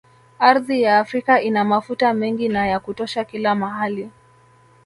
Ardhi ya Afrika ina mafuta mengi na ya kutosha kila mahali